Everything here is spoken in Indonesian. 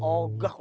mau gak mau